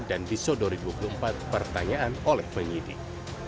dan disodori dua puluh empat pertanyaan oleh penyidik